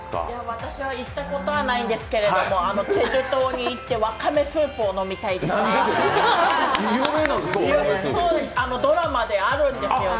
私は行ったことはないんですけど、チェジュ島に行ってわかめスープを飲みたいですね。